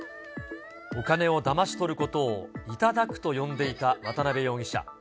お金をだまし取ることを頂くと呼んでいた渡辺容疑者。